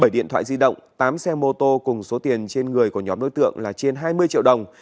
bảy điện thoại di động tám xe mô tô cùng số tiền trên người của nhóm đối tượng là trên hai mươi triệu đồng